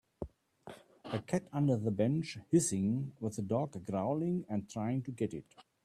A cat under the bench hissing with a dog growling and trying to get it.